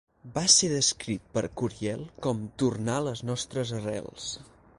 Va ser descrit per Curiel com "tornar les nostres arrels".